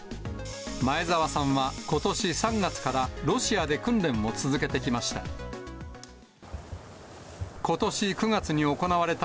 前澤さんはことし３月からロシアで訓練を続けてきました。